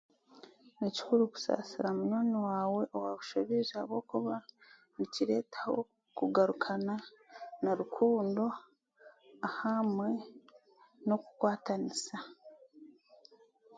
Ni kikuru kusasira munwaani waawe owakushobiize ahabw'okuba nikiretaho kugarukana na rukundo hamwe n'okukwataniisa.